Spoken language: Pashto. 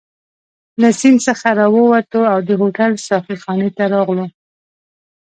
له سیند څخه راووتو او د هوټل ساقي خانې ته راغلو.